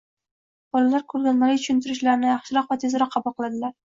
Bolalar ko‘rgazmali tushuntirishlarni yaxshiroq va tezroq qabul qiladilar.